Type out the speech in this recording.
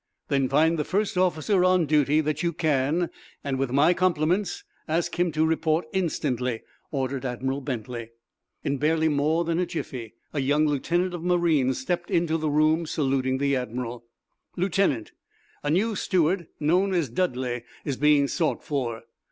"Then find the first officer on duty that you can, and, with my compliments, ask him to report instantly," ordered Admiral Bentley. In barely more than a jiffy a young lieutenant of marine stepped into the room, saluting the admiral. "Lieutenant, a new steward known as Dudley is being sought for.